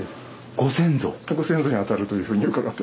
ご先祖にあたるというふうに伺ってます。